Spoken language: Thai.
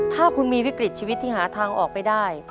ถ้าคุณมีวิกฤตชีวิตที่หาทางออกไม่ได้